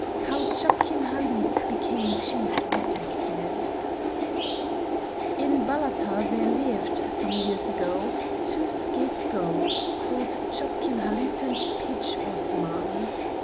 HOW CHAPKIN HALID BECAME CHIEF DETECTIVE In Balata there lived, some years ago, two scapegraces, called Chapkin Halid and Pitch Osman.